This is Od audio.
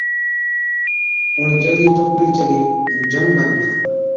اُڻهين جلدِي ٽوڪرِي چلِي ائُون جائُون لاگلا۔